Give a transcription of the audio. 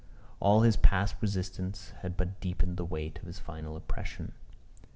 All his past resistance had but deepened the weight of this final oppression.